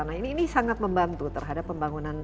nah ini sangat membantu terhadap pembangunan